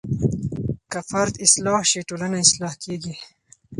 که فرد اصلاح شي ټولنه اصلاح کیږي.